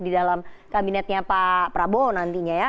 di dalam kabinetnya pak prabowo nantinya ya